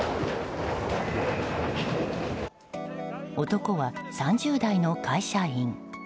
男は３０代の会社員。